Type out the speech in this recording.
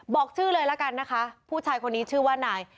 บอกชื่อเลยละกันนะคะผู้ชายคนนี้ชื่อว่านาย